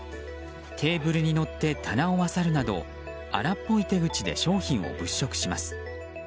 テーブルにのって棚をあさるなど荒っぽい手口で商品を物色します。